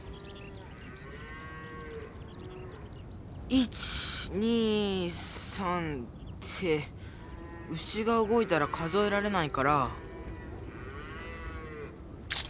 １２３って牛がうごいたら数えられないから。